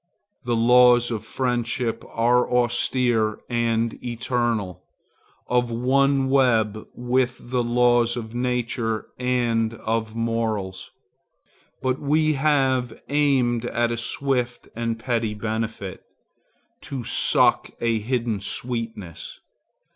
The laws of friendship are austere and eternal, of one web with the laws of nature and of morals. But we have aimed at a swift and petty benefit, to suck a sudden sweetness.